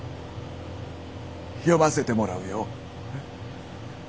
読ませてもらうよ。